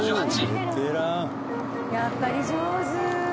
やっぱり上手。